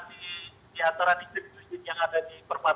jadi itu mungkin yang bisa dikonfirmasi